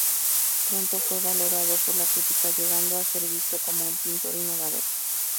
Pronto fue valorado por la crítica llegando a ser visto como un pintor innovador.